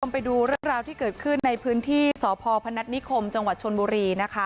ไปดูเรื่องราวที่เกิดขึ้นในพื้นที่สพพนัฐนิคมจังหวัดชนบุรีนะคะ